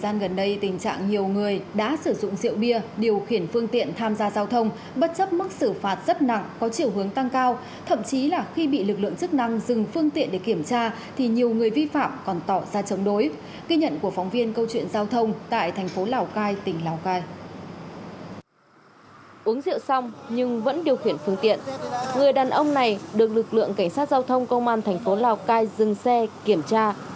người đàn ông này được lực lượng cảnh sát giao thông công an thành phố lào cai dừng xe kiểm tra